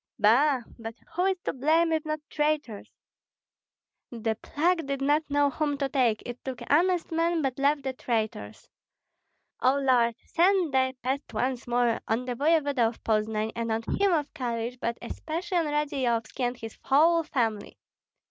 Ba! but who is to blame, if not traitors? The plague did not know whom to take; it took honest men, but left the traitors. O Lord, send thy pest once more on the voevoda of Poznan and on him of Kalish, but especially on Radzeyovski and his whole family.